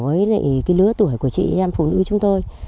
với cái lứa tuổi của chị em phụ nữ chúng tôi